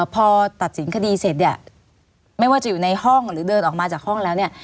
พอตัดสินคดีเสร็จเนี่ยไม่ว่าจะอยู่ในห้องหรือเดินออกมาจากห้องแล้วเนี่ย